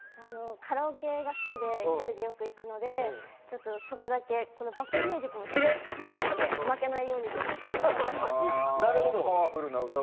カラオケが好きで１人でよく行くのでそこだけ、このバックミュージックも大きく感じたので、負けないようにと思って頑張りました。